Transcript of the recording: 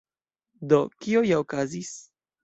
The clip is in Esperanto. Do, kio ja okazis?